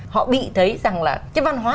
họ bị thấy rằng là cái văn hóa